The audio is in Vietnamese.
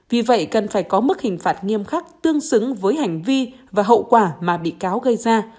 vì vậy cần phải có mức hình phạt nghiêm khắc tương xứng với hành vi và hậu quả mà bị cáo gây ra